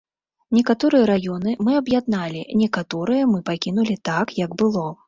Некаторыя раёны мы аб'ядналі, некаторыя мы пакінулі так, як было.